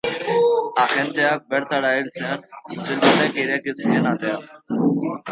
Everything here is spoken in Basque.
Agenteak bertara heltzean, mutil batek ireki zien atea.